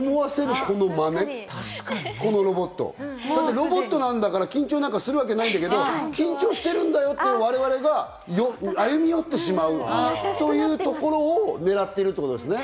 だってロボットだから緊張なんかするわけないんだけど、緊張してるんだよという我々が歩み寄ってしまうというところを狙ってるというところですね。